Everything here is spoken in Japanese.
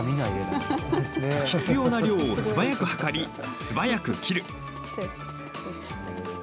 必要な量を素早く量り素早く切る。